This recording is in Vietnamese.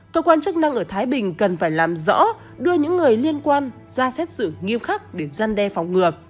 cơ quan chức năng ở thái bình cần phải làm rõ đưa những người liên quan ra xét xử nghiêm khắc để giăn đe phòng ngừa